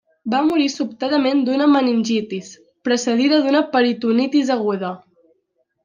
Va morir sobtadament d'una meningitis, precedida d'una peritonitis aguda.